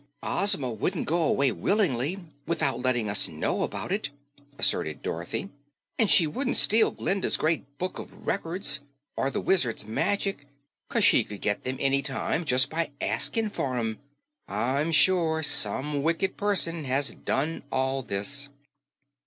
"Ozma wouldn't go away willingly, without letting us know about it," asserted Dorothy, "and she wouldn't steal Glinda's Great Book of Records or the Wizard's magic, 'cause she could get them any time just by asking for 'em. I'm sure some wicked person has done all this."